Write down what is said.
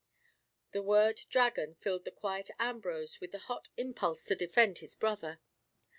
The word Dragon filled the quiet Ambrose with hot impulse to defend his brother.